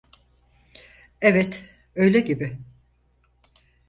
Evet, öyle gibi.